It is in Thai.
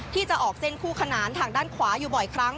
ที่จะออกเส้นคู่ขนานทางด้านขวาอยู่บ่อยครั้ง